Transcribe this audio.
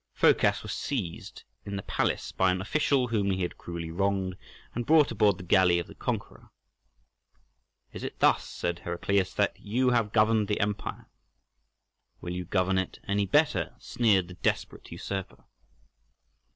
Phocas was seized in the palace by an official whom he had cruelly wronged, and brought aboard the galley of the conqueror. "Is it thus," said Heraclius, "that you have governed the empire?" "Will you govern it any better?" sneered the desperate usurper.